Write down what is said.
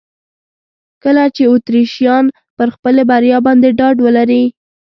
کله چې اتریشیان پر خپلې بریا باندې ډاډ ولري.